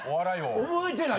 覚えてない。